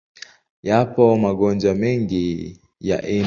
Yapo magonjwa mengi ya ini.